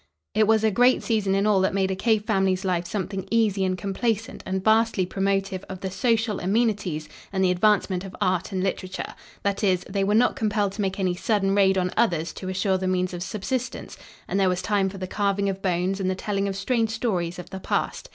It was a great season in all that made a cave family's life something easy and complacent and vastly promotive of the social amenities and the advancement of art and literature that is, they were not compelled to make any sudden raid on others to assure the means of subsistence, and there was time for the carving of bones and the telling of strange stories of the past.